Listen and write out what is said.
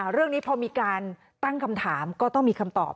เรื่องนี้พอมีการตั้งคำถามก็ต้องมีคำตอบ